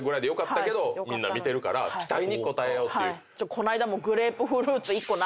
この間も。